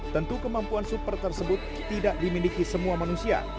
tentu kemampuan super tersebut tidak dimiliki semua manusia